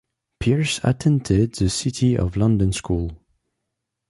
Pearce attended the City of London School.